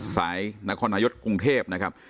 สายนครนายกกรุงเทพนะครับ